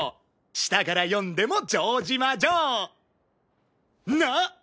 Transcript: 下から読んでも「じょうじまじょう」！なっ？